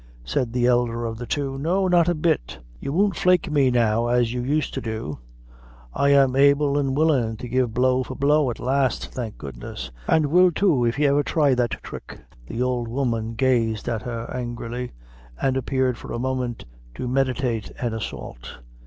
said the elder of the two. "No not a bit. You won't flake me now as you used to do. I am able an' willin' to give blow for blow at last, thank goodness; an' will, too, if ever you thry that thrick." The old woman gazed at her angrily, and appeared for a moment to meditate an assault.